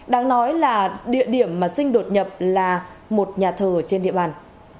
đáng nói là địa điểm mà sinh đột nhập là một nhà thờ trên địa bàn